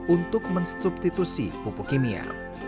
untuk mensubstitusi pupuk kimia